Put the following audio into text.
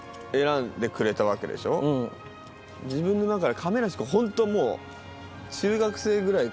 自分の中で亀梨君ホントもう。